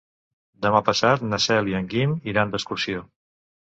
Demà passat na Cel i en Guim iran d'excursió.